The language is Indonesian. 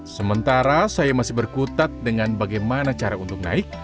sementara saya masih berkutat dengan bagaimana cara untuk naik